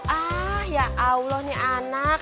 ah ya allah ini anak